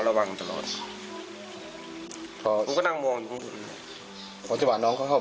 ระวังตลอดผมก็นั่งมองอยู่ตรงนั้นพอจะว่าน้องเขาเข้า